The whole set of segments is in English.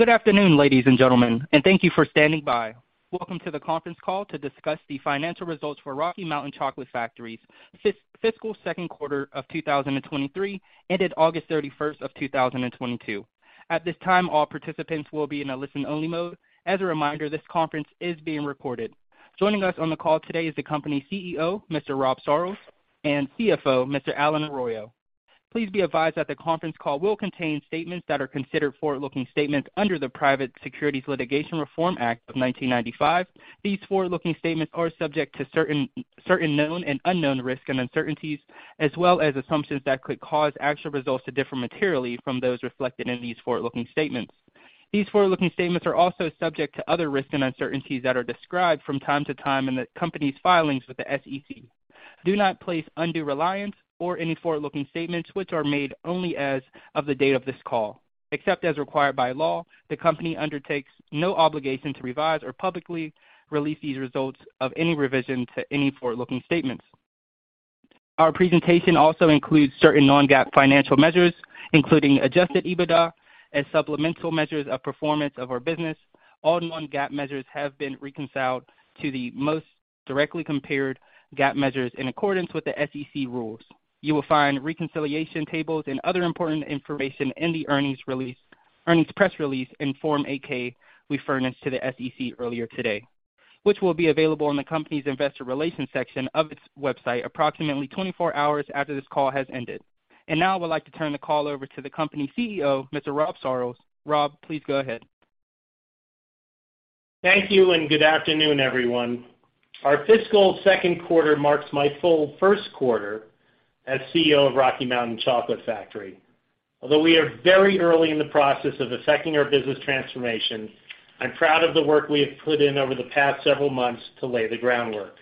Good afternoon, ladies and gentlemen, and thank you for standing by. Welcome to the conference call to discuss the financial results for Rocky Mountain Chocolate Factory's fiscal Q2 2023, ended August 31, 2022. At this time, all participants will be in a listen-only mode. As a reminder, this conference is being recorded. Joining us on the call today is the company's CEO, Rob Sarlls, and CFO, Allen Arroyo. Please be advised that the conference call will contain statements that are considered forward-looking statements under the Private Securities Litigation Reform Act of 1995. These forward-looking statements are subject to certain known and unknown risks and uncertainties, as well as assumptions that could cause actual results to differ materially from those reflected in these forward-looking statements. Gemini said You will find reconciliation tables and other important information in the earnings press release in Form 8-K we furnished to the SEC earlier today, which will be available on the company's investor relations section of its website approximately 24 hours after this call has ended. Now I would like to turn the call over to the company's CEO, Rob Sarlls. Rob, please go ahead. Thank you, and good afternoon, everyone. Our fiscal Q2 marks my full Q1 as CEO of Rocky Mountain Chocolate Factory. Although we are very early in the process of affecting our business transformation, I am proud of the work we have put in over the past several months to lay the groundwork.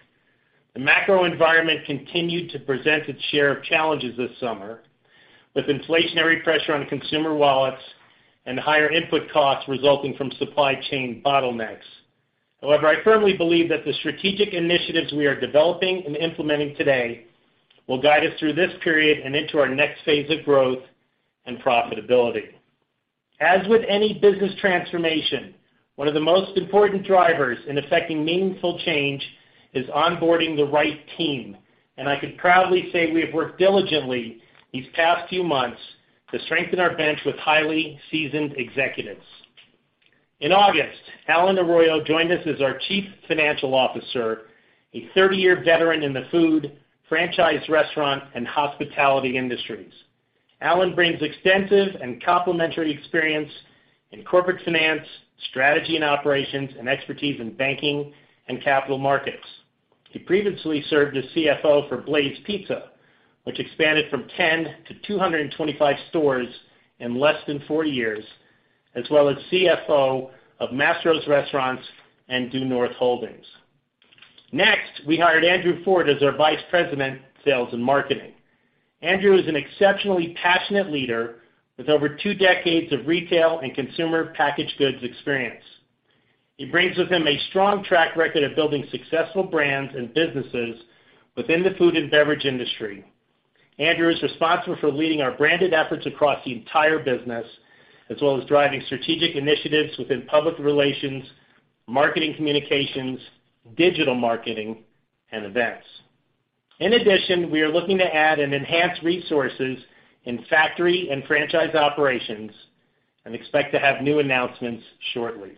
In August, Allen Arroyo joined us as our CFO, a 30-year veteran in the food, franchise restaurant, and hospitality industries. Allen brings extensive and complementary experience in corporate finance, strategy and operations, and expertise in banking and capital markets. Andrew is responsible for leading our branded efforts across the entire business, as well as driving strategic initiatives within public relations, marketing communications, digital marketing, and events. In addition, we are looking to add and enhance resources in factory and franchise operations, and expect to have new announcements shortly.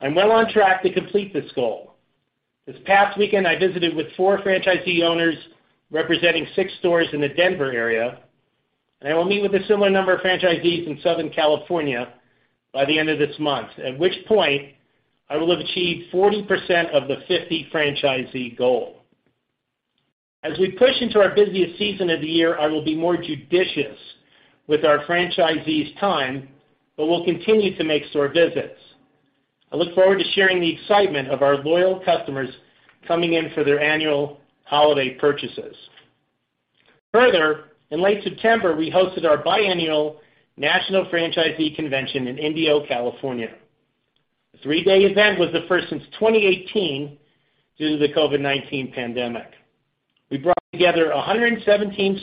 I'm well on track to complete this goal. This past weekend, I visited with four franchisee owners representing six stores in the Denver area, and I will meet with a similar number of franchisees in Southern California by the end of this month, at which point I will have achieved 40% of the 50 franchisee goal. We brought together 117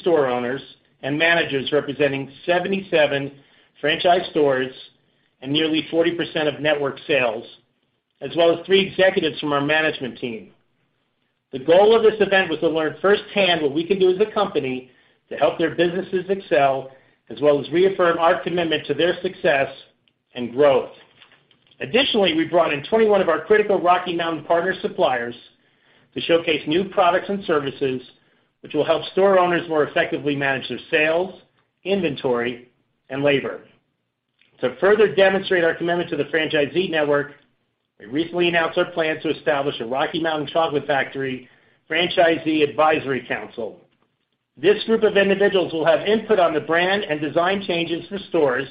store owners and managers representing 77 franchise stores and nearly 40% of network sales, as well as three executives from our management team. The goal of this event was to learn firsthand what we can do as a company to help their businesses excel, as well as reaffirm our commitment to their success and growth. Additionally, we brought in 21 of our critical Rocky Mountain partner suppliers to showcase new products and services, which will help store owners more effectively manage their sales, inventory, and labor. To further demonstrate our commitment to the franchisee network, we recently announced our plan to establish a Rocky Mountain Chocolate Factory Franchisee Advisory Council. This group of individuals will have input on the brand and design changes for stores,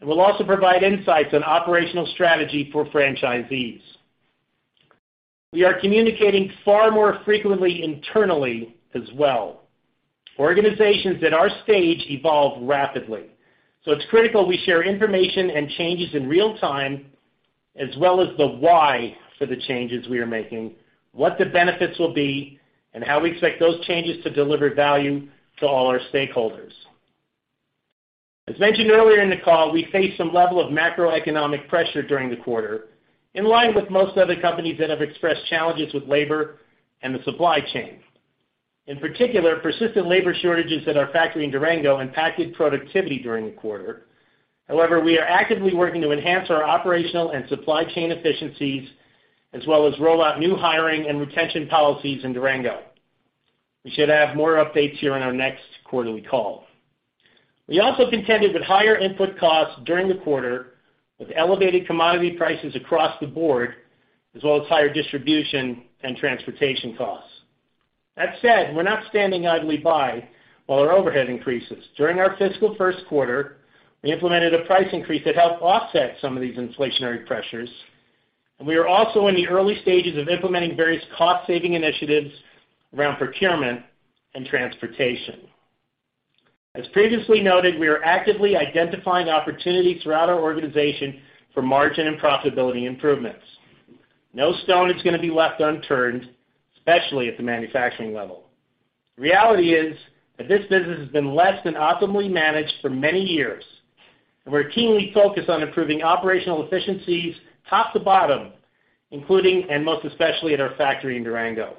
and will also provide insights on operational strategy for franchisees. We are communicating far more frequently internally as well. Organizations at our stage evolve rapidly, so it is critical we share information and changes in real time, as well as the why for the changes we are making, what the benefits will be, and how we expect those changes to deliver value to all our stakeholders. As mentioned earlier in the call, we faced some level of macroeconomic pressure during the quarter, in line with most other companies that have expressed challenges with labor and the supply chain. In particular, persistent labor shortages at our factory in Durango impacted productivity during the quarter. However, we are actively working to enhance our operational and supply chain efficiencies, as well as roll out new hiring and retention policies in Durango. We should have more updates here on our next quarterly call. We also contended with higher input costs during the quarter, with elevated commodity prices across the board, as well as higher distribution and transportation costs. That said, we are not standing idly by while our overhead increases. During our fiscal Q1, we implemented a price increase that helped offset some of these inflationary pressures, and we are also in the early stages of implementing various cost-saving initiatives around procurement and transportation. As previously noted, we are actively identifying opportunities throughout our organization for margin and profitability improvements. No stone is going to be left unturned, especially at the manufacturing level. The reality is that this business has been less than optimally managed for many years, and we are keenly focused on improving operational efficiencies top to bottom, including and most especially at our factory in Durango.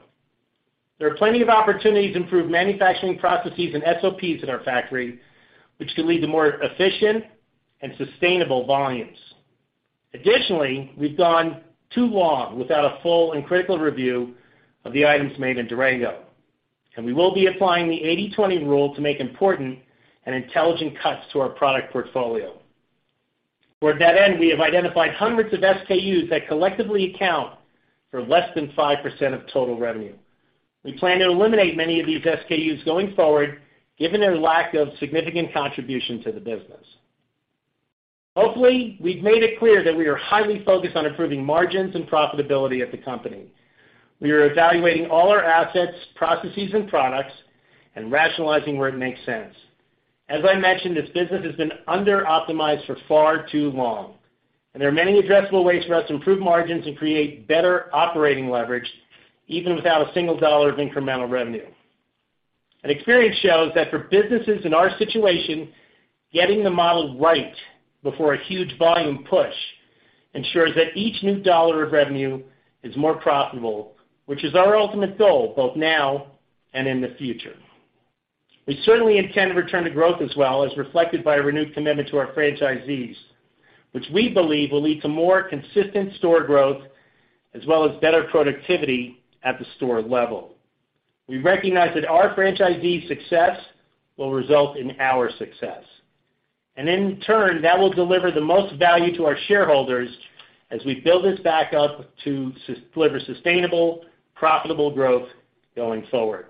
There are plenty of opportunities to improve manufacturing processes and SOPs at our factory, which can lead to more efficient and sustainable volumes. Additionally, we've gone too long without a full and critical review of the items made in Durango, and we will be applying the 80/20 rule to make important and intelligent cuts to our product portfolio. Toward that end, we have identified hundreds of SKUs that collectively account for less than 5% of total revenue. We plan to eliminate many of these SKUs going forward, given their lack of significant contribution to the business. Hopefully, we've made it clear that we are highly focused on improving margins and profitability at the company. We are evaluating all our assets, processes, and products and rationalizing where it makes sense. As I mentioned, this business has been under-optimized for far too long, and there are many addressable ways for us to improve margins and create better operating leverage, even without a single dollar of incremental revenue. Experience shows that for businesses in our situation, getting the model right before a huge volume push ensures that each new dollar of revenue is more profitable, which is our ultimate goal, both now and in the future. We certainly intend to return to growth as well, as reflected by a renewed commitment to our franchisees, which we believe will lead to more consistent store growth as well as better productivity at the store level. We recognize that our franchisees' success will result in our success. In turn, that will deliver the most value to our shareholders as we build this back up to successfully deliver sustainable, profitable growth going forward.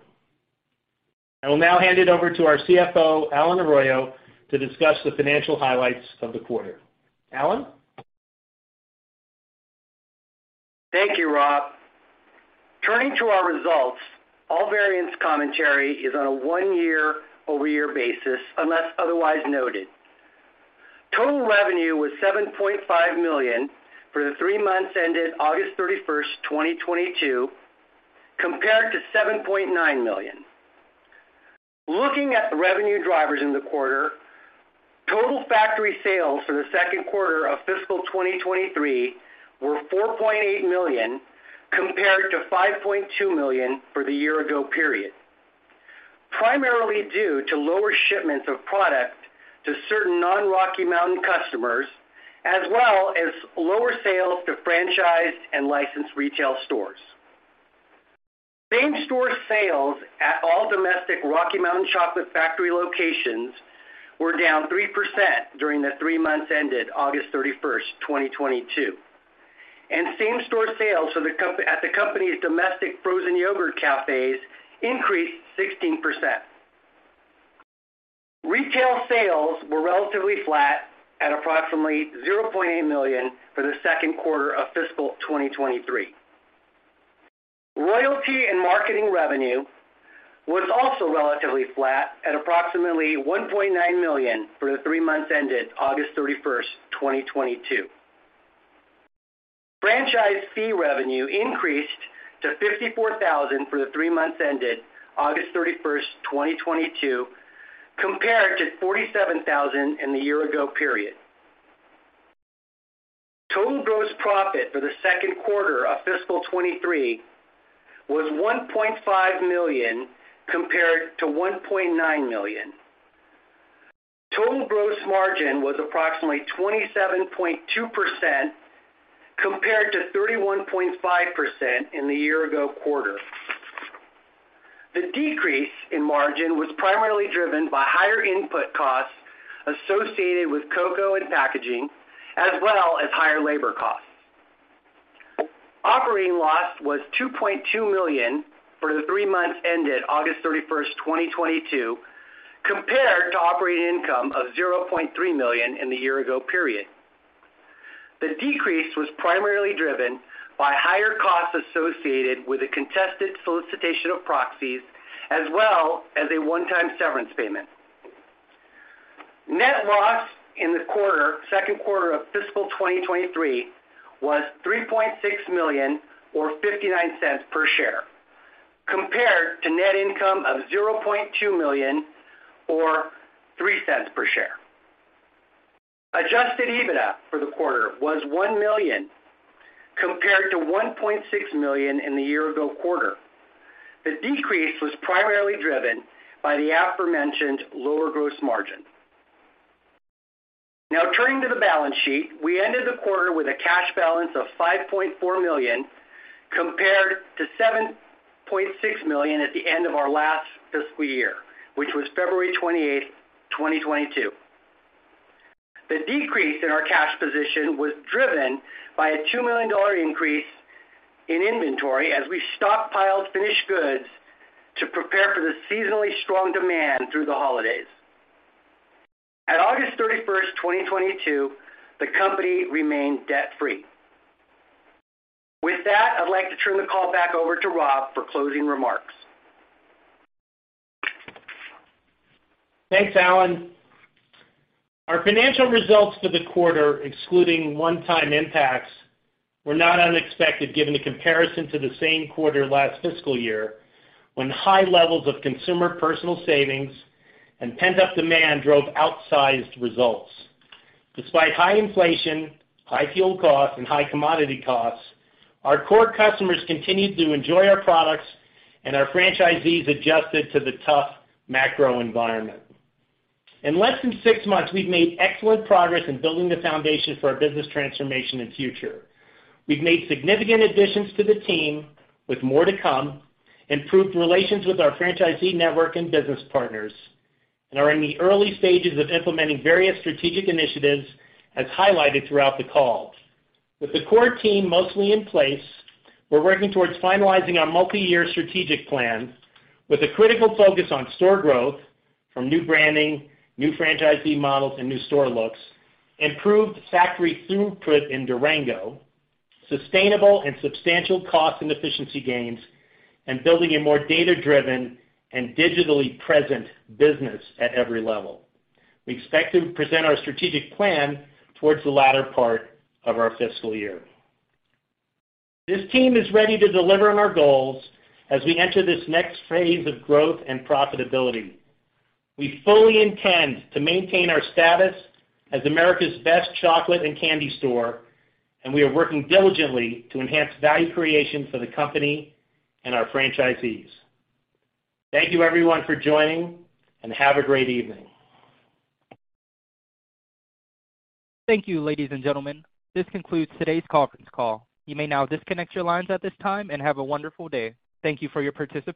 I will now hand it over to our CFO, Allen Arroyo, to discuss the financial highlights of the quarter. Allen? Thank you, Rob. Turning to our results, all variance commentary is on a year-over-year basis, unless otherwise noted. Total revenue was $7.5 million for the three months ended August 31, 2022, compared to $7.9 million. Looking at the revenue drivers in the quarter, total factory sales for Q2 2023 were $4.8 million, compared to $5.2 million for the year-ago period, primarily due to lower shipments of product to certain non-Rocky Mountain customers, as well as lower sales to franchised and licensed retail stores. Retail sales were relatively flat at approximately $0.8 million for Q2 2023. Royalty and marketing revenue was also relatively flat at approximately $1.9 million for the three months ended August 31, 2022. Operating loss was $2.2 million for the three months ended August 31, 2022, compared to operating income of $0.3 million in the year-ago period. The decrease was primarily driven by higher costs associated with a contested solicitation of proxies, as well as a one-time severance payment. Net loss in the quarter, Q2 2023, was $3.6 million, or $0.59 per share, compared to net income of $0.2 million, or $0.03 per share. We ended the quarter with a cash balance of $5.4 million compared to $7.6 million at the end of our last fiscal year, which was February 28, 2022. The decrease in our cash position was driven by a $2 million increase in inventory as we stockpiled finished goods to prepare for the seasonally strong demand through the holidays. At August 31, 2022, the company remained debt-free. With that, I'd like to turn the call back over to Rob for closing remarks. Thanks, Allen. Our financial results for the quarter, excluding one-time impacts, were not unexpected given the comparison to the same quarter last fiscal year, when high levels of consumer personal savings and pent-up demand drove outsized results. Despite high inflation, high fuel costs, and high commodity costs, our core customers continued to enjoy our products and our franchisees adjusted to the tough macro environment. In less than six months, we've made excellent progress in building the foundation for our business transformation and future. We've made significant additions to the team with more to come, improved relations with our franchisee network and business partners, and are in the early stages of implementing various strategic initiatives as highlighted throughout the call. With the core team mostly in place, we are working toward finalizing our multi-year strategic plan with a critical focus on store growth from new branding, new franchisee models, and new store looks, improved factory throughput in Durango, sustainable and substantial cost and efficiency gains, and building a more data-driven and digitally present business at every level. We expect to present our strategic plan toward the latter part of our fiscal year. This team is ready to deliver on our goals as we enter this next phase of growth and profitability. We fully intend to maintain our status as America's best chocolate and candy store, and we are working diligently to enhance value creation for the company and our franchisees. Thank you, everyone, for joining, and have a great evening. Thank you, ladies and gentlemen. This concludes today's conference call. You may now disconnect your lines at this time and have a wonderful day. Thank you for your participation.